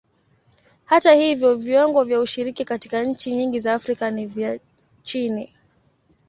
Hata hivyo, viwango vya ushiriki katika nchi nyingi za Afrika ni vya chini.